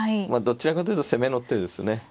まあどちらかというと攻めの手ですね。